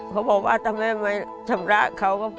เขาบอกว่าถ้าแม่ไม่ชำระเขาก็พอ